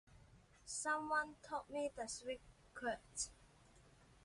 有人跟我說秘訣